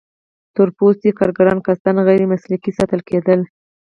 تور پوستي کارګران قصداً غیر مسلکي ساتل کېدل.